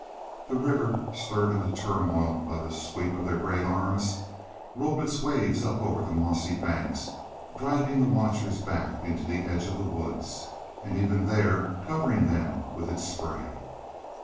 The river, stirred into turmoil by the sweep of their great arms, rolled its waves up over the mossy banks, driving the watchers back into the edge of the woods, and even there covering them with its spray.